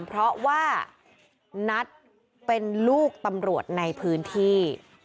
เพราะว่านัทเป็นลูกตำรวจในพื้นที่